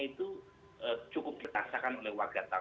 itu cukup diketahui